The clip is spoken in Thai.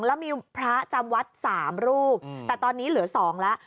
แล้วมีพระจำวัด๓รูปแต่ตอนนี้เหลือ๒แล้ว